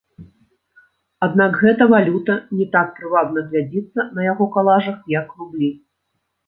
Аднак гэта валюта не так прывабна глядзіцца на яго калажах, як рублі.